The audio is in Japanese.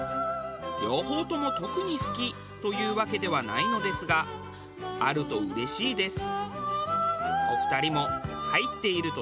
両方とも特に好きというわけではないのですがあるとうれしいです。